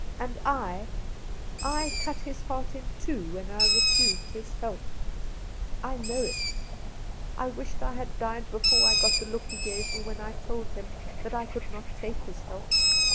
And I — I cut his heart in two when I refused his help ! I know it ! I wished I had died before I got the look he gave me when I told him that I could not take his help.